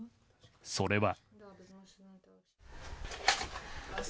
それは。